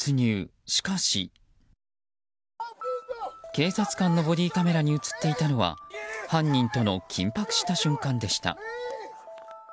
警察官のボディーカメラに映っていたのは犯人との緊迫した瞬間でした。